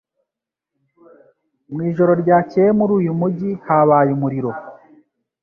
Mu ijoro ryakeye muri uyu mujyi habaye umuriro.